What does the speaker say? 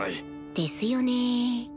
ですよね